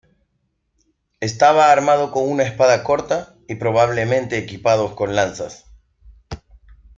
Estaba armado con una espada corta y probablemente equipados con lanzas.